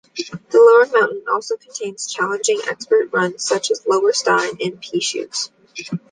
The lower mountain also contains challenging expert runs such Lower Stein and P-Chutes.